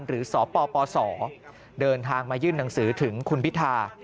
หรือสปสเดินทางมายื่นหนังสือถึงคุณพิธา